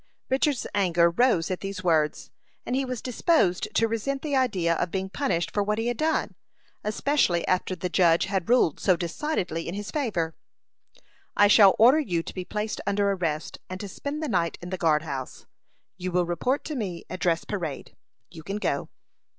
Richard's anger rose at these words, and he was disposed to resent the idea of being punished for what he had done, especially after the judge had ruled so decidedly in his favor. "I shall order you to be placed under arrest, and to spend the night in the guard house. You will report to me at dress parade. You can go."